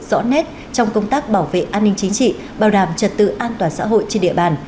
rõ nét trong công tác bảo vệ an ninh chính trị bảo đảm trật tự an toàn xã hội trên địa bàn